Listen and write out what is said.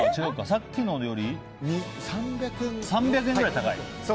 さっきのより３００円くらい高い。